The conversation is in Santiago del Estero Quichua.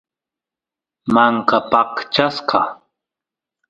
manka paqchasqa